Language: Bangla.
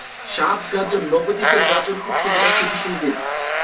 সাত গাজন নবদ্বীপের গাজন উৎসবের একটি বিশেষ দিন।